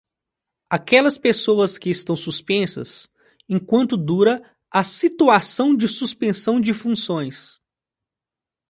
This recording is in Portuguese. Aquelas pessoas que estão suspensas, enquanto dura a situação de suspensão de funções.